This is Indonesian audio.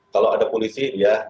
kalau ada polisi